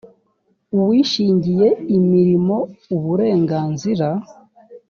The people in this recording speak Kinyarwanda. uwishingiye imirimo uburenganzira